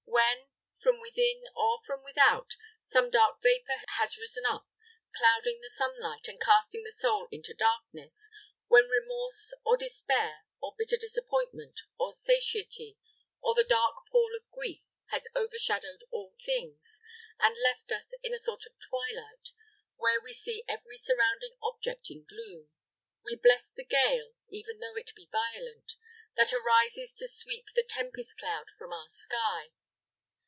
When, from within or from without, some dark vapor has risen up, clouding the sunlight, and casting the soul into darkness when remorse, or despair, or bitter disappointment, or satiety, or the dark pall of grief, has overshadowed all things, and left us in a sort of twilight, where we see every surrounding object in gloom, we bless the gale, even though it be violent, that arises to sweep the tempest cloud from our sky.